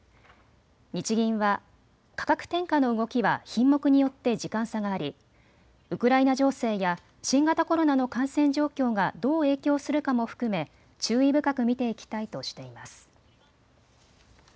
日銀は価格転嫁の動きは品目によって時間差がありウクライナ情勢や新型コロナの感染状況がどう影響するかも含め注意深く見ていきたいとしています。